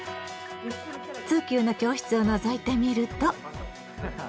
通級の教室をのぞいてみると。